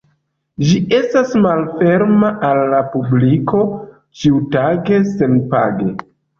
Ĝi estas malferma al la publiko ĉiutage senpage.